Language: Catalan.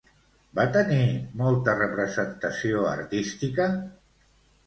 Va tenir molta representació artística?